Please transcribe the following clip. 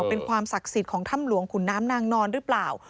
เป็นความศักดิ์สิทธิ์ของถ้ำหลวงขุนน้ำนางนอนหรือเปล่า